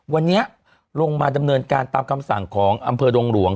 วันนี้ลงมาดำเนินการตามคำสั่งของอำเภอดงหลวง